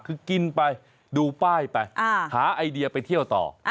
คือกินไปดูป้ายไปหาไอเดียไปเที่ยวต่อ